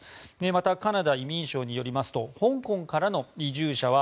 またカナダ移民省によりますと香港からの移住者は